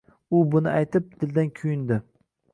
U buni aytib, dildan kuyundi